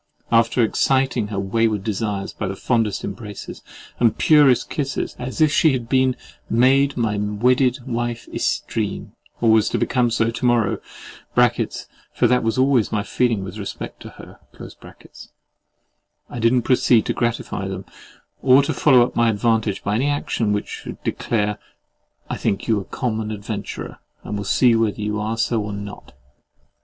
After exciting her wayward desires by the fondest embraces and the purest kisses, as if she had been "made my wedded wife yestreen," or was to become so to morrow (for that was always my feeling with respect to her)—I did not proceed to gratify them, or to follow up my advantage by any action which should declare, "I think you a common adventurer, and will see whether you are so or not!"